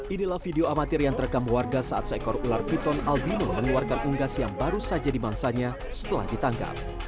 inilah video amatir yang terekam warga saat seekor ular piton albino mengeluarkan unggas yang baru saja dimangsanya setelah ditangkap